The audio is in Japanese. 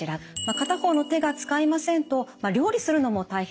片方の手が使えませんと料理するのも大変ですよね。